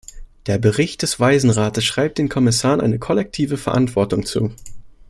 Der Bericht des Weisenrates schreibt den Kommissaren eine kollektive Verantwortung zu.